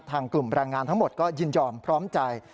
กลุ่มแรงงานทั้งหมดก็ยินยอมพร้อมใจ